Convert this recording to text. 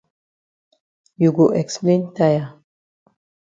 You go explain tire.